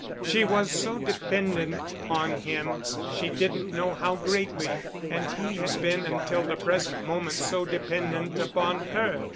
She was so dependent on him. She didn't know how greatly. And he had been until the present moment so dependent upon her.